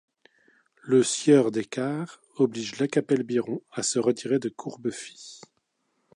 Le sieur des Cars oblige Lacapelle-Biron à se retirer de Courbefy.